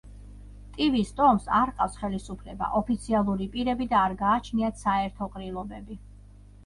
ტივის ტომს არ ჰყავს ხელისუფლება, ოფიციალური პირები და არ გააჩნიათ საერთო ყრილობები.